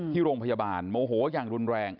ที่โรงพยาบาลโมโหอย่างรุนแรง